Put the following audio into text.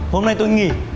hôm nay tôi nghỉ